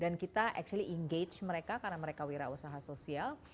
dan kita actually engage mereka karena mereka wirausaha sosial